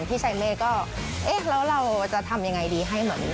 พี่ชายเมฆก็เอ๊ะแล้วเราจะทำยังไงดีให้เหมือน